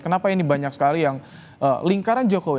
kenapa ini banyak sekali yang lingkaran jokowi